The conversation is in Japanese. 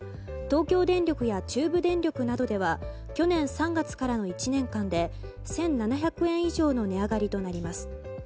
東京電力や中部電力などでは去年３月からの１年間で１７００円以上の値上がりとなります。